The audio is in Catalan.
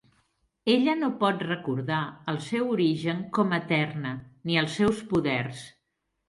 Ella no pot recordar el seu origen com a Eterna, ni els seus poders.